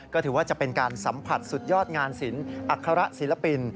ก็ถือว่าจะเป็นการสัมผัสสุดยอดงานศิลปอัคระศิลปิน